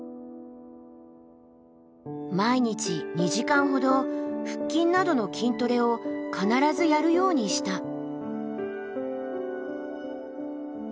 毎日２時間ほど腹筋などの筋トレを必ずやるようにした。